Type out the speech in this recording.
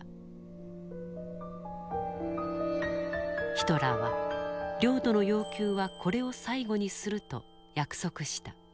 ヒトラーは領土の要求はこれを最後にすると約束した。